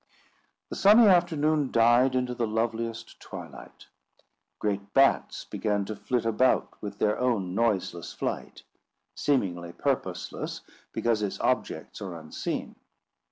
The sunny afternoon died into the loveliest twilight. Great bats began to flit about with their own noiseless flight, seemingly purposeless, because its objects are unseen.